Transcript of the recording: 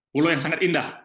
pulau yang sangat indah